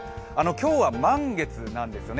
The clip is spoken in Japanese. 今日は満月なんですよね